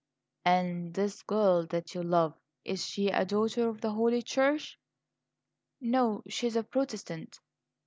"And this girl that you love, is she a daughter of the Holy Church?" "No; she is a Protestant."